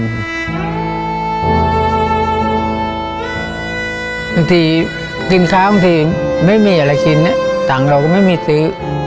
บางทีกินข้าวบางทีไม่มีอะไรกินเนี่ยตังค์เราก็ไม่มีซื้อ